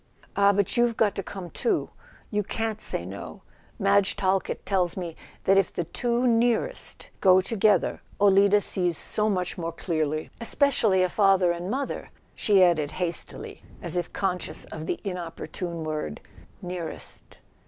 "Ah, but you've got to come too. You can't say no: Madge Talkett tells me that if the two nearest go to¬ gether Olida sees so much more clearly—especially a father and mother," she added hastily, as if conscious of the inopportune "nearest."